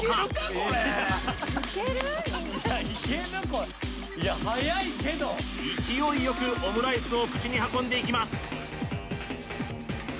これいや早いけど勢いよくオムライスを口に運んでいきます